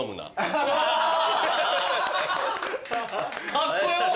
カッコ良！